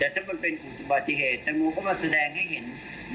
แต่ถ้ามันเป็นอุบัติเหตุแตงโมก็มาแสดงให้เห็น